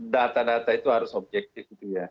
data data itu harus objektif